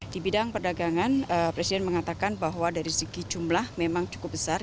di bidang perdagangan presiden mengatakan bahwa dari segi jumlah memang cukup besar